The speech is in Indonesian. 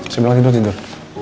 saya bilang tidur tidur